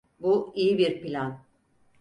Bu iyi bir plan.